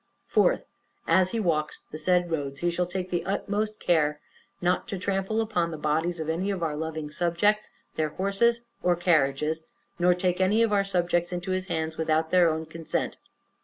4th. As he walks the said roads he shall take the utmost care riot to trample upon the bodies of any of our loving subjects, their horses, or carriages, nor take any of our subjects into his hands without their own consent.